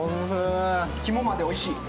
肝までおいしい。